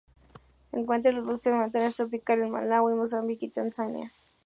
Se encuentra en los bosques montanos tropicales de Malawi, Mozambique y Tanzania.